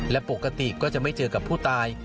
และปกติก็จะไม่เจอกับผู้ตาย